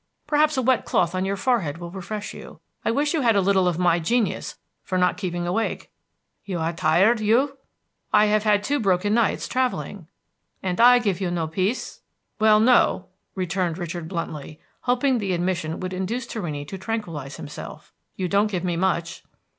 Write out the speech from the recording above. Perhaps a wet cloth on your forehead will refresh you. I wish you had a little of my genius for not keeping awake." "You are tired, you?" "I have had two broken nights, traveling." "And I give you no peace?" "Well, no," returned Richard bluntly, hoping the admission would induce Torrini to tranquilize himself, "you don't give me much."